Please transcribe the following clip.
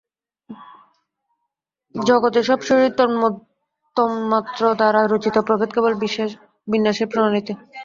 জগতে সব শরীরই তন্মাত্র দ্বারা রচিত, প্রভেদ কেবল বিন্যাসের প্রণালীতে।